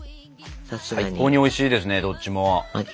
最高においしいですねどっちも。